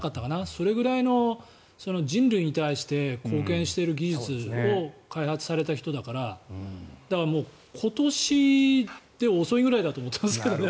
それぐらいの人類に対して貢献している技術を開発された人だからだから、今年では遅いぐらいだと思っていますけどね